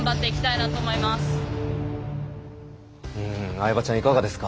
相葉ちゃんいかがですか。